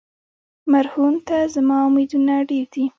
مرهون ته زما امیدونه ډېر دي.